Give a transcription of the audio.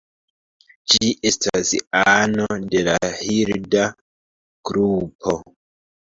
Ĝi estas ano de la Hilda grupo.